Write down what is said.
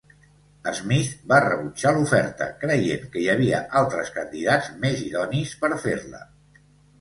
Smith va rebutjar l'oferta, creient que hi havia altres candidats més idonis per fer-la.